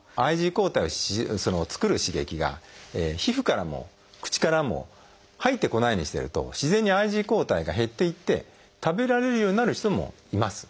ＩｇＥ抗体を作る刺激が皮膚からも口からも入ってこないようにしてると自然にＩｇＥ抗体が減っていって食べられるようになる人もいます。